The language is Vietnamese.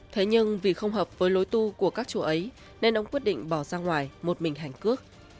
thế nhưng vì không hợp với lối tu của các chùa ấy nên ông quyết định bỏ ra ngoài một mình hành cước